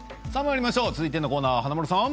続いてのコーナーは華丸さん。